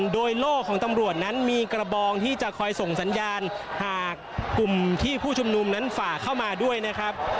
โดยโล่ของตำรวจนั้นมีกระบองที่จะคอยส่งสัญญาณหากกลุ่มที่ผู้ชุมนุมนั้นฝ่าเข้ามาด้วยนะครับ